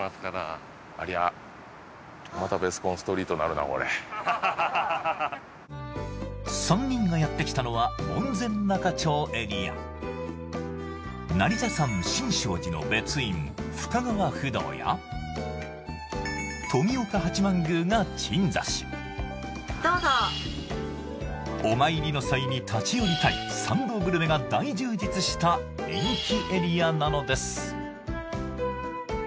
ありゃハハハハ３人がやってきたのは門前仲町エリア成田山新勝寺の別院深川不動や富岡八幡宮が鎮座しどうぞお参りの際に立ち寄りたい参道グルメが大充実した人気エリアなのです